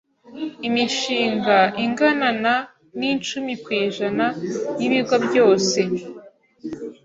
imishinga ingana na nicumi kwijana yibigo byose